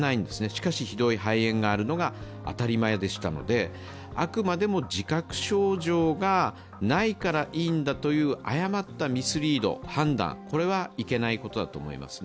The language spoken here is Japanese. しかし、ひどい肺炎があるのが当たり前でしたのであくまでも自覚症状がないからいいんだという誤ったミスリード、判断はいけないことだと思います。